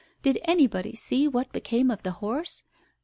Did anybody see what became of the horse